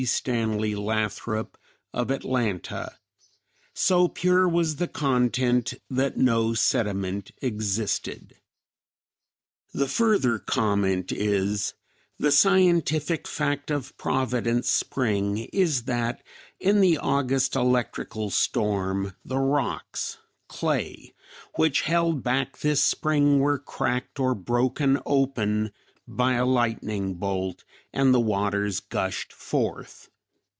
Stanley Lathrop of Atlanta. So pure was the content that no sediment existed. The further comment is: "The scientific fact of Providence Spring is that in the August electrical storm the rocks (clay) which held back this spring were cracked or broken open by a lightning bolt and the waters gushed forth.